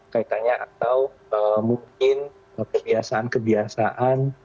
kaitannya atau mungkin kebiasaan kebiasaan